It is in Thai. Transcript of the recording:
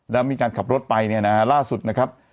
แล้วมีการขับรถไปเนี่ยนะฮะล่าสุดนะครับ